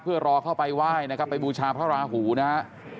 เพื่อรอเข้าไปไหว้นะครับไปบูชาพระราหูนะฮะ